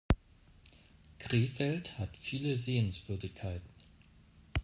Krefeld hat viele Sehenswürdigkeiten